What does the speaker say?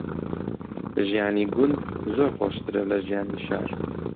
ژیانی گوند زۆر خۆشترە لە ژیانی شار.